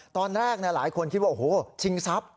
ตอนแรกหลายคนคิดว่าโอ้โหชิงทรัพย์